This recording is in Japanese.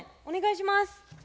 お願いします。